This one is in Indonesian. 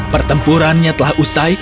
pertempurannya telah usai